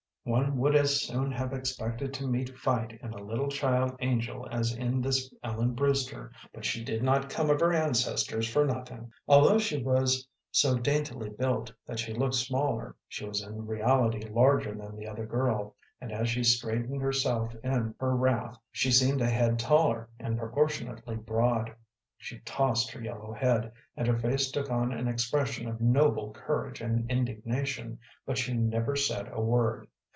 One would as soon have expected to meet fight in a little child angel as in this Ellen Brewster, but she did not come of her ancestors for nothing. Although she was so daintily built that she looked smaller, she was in reality larger than the other girl, and as she straightened herself in her wrath she seemed a head taller and proportionately broad. She tossed her yellow head, and her face took on an expression of noble courage and indignation, but she never said a word.